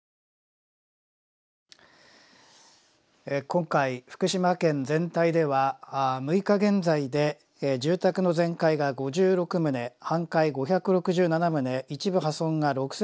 今回福島県全体では６日現在で住宅の全壊が５６棟半壊５６７棟一部破損が６，１４０棟となっています。